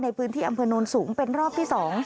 ในพื้นที่อำเภอโนนสูงเป็นรอบที่๒